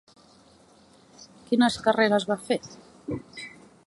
Quines carreres va fer?